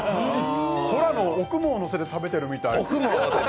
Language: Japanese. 空のお雲をのせて食べてるみたい。